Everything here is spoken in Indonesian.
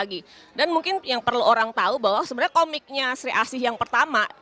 lebih luas lagi dan mungkin yang perlu orang tahu bahwa sebenarnya komiknya sri asi yang pertama